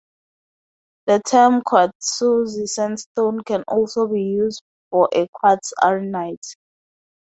The term "quartzose sandstone" can also be used for a quartz arenite.